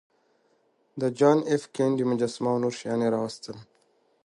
د جان ایف کینیډي مجسمه او نور شیان یې راویستل